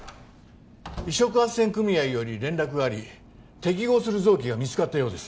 移植斡旋組合より連絡があり適合する臓器が見つかったようです